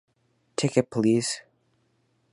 Ticket, please!